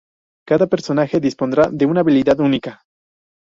Cada personaje dispondrá de una habilidad única.